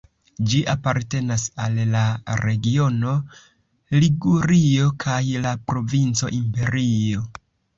Ĝi apartenas al la regiono Ligurio kaj la provinco Imperio.